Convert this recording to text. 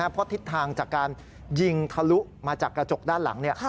เพราะทิศทางจากการยิงทะลุมาจากกระจกด้านหลัง